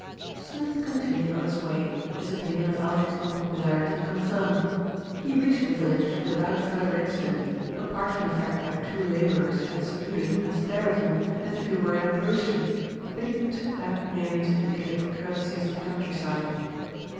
Smith continued on his way, his opinion of Alfred's unpopularity confirmed. He reached the village with out further incident, apart from the fact that two labourers had saluted and stared at him as if he were an apparition; but he took that merely to indicate the courtesies of the countryside.